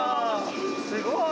すごい！